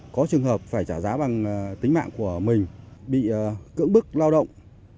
có trường hợp phải trả giá bằng tính mạng của mình bị cưỡng bức lao động